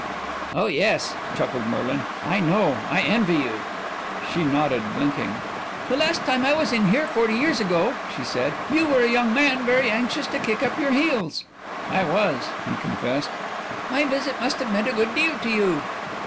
"Oh, yes," chuckled Merlin. "I know. I envy you." She nodded, blinking. "The last time I was in here, forty years ago," she said, "you were a young man very anxious to kick up your heels." "I was," he confessed. "My visit must have meant a good deal to you."